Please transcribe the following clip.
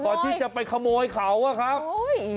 ก่อนที่จะไปขโมยเขาอะครับ